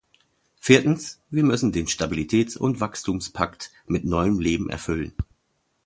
Viertens, wir müssen den Stabilitäts- und Wachstumspakt mit neuem Leben erfüllen.